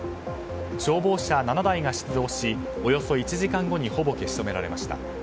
消防車７台が出動しおよそ１時間後にほぼ消し止められました。